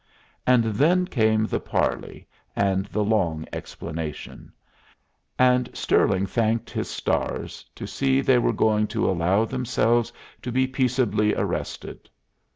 And then came the parley, and the long explanation; and Stirling thanked his stars to see they were going to allow themselves to be peaceably arrested.